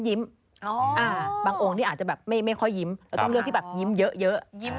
เวลาที่เราจะเลือกพระสังกะจายเนี่ยเราจะต้องเลือกที่แบบน่ายิ้ม